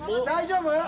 大丈夫？